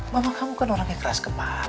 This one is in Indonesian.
mama kamu kan orang yang keras kemarin